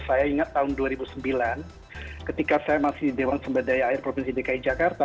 saya ingat tahun dua ribu sembilan ketika saya masih di dewan sumber daya air provinsi dki jakarta